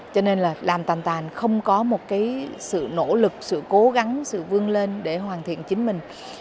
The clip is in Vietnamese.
cho nên là làm tàn tàn không có một cái sự nỗ lực sự cố gắng sự vươn lên để hoàn thiện chính mình